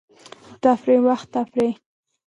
د تفریح وخت تفریح.